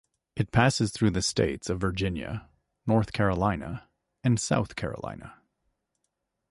It passes through the states of Virginia, North Carolina and South Carolina.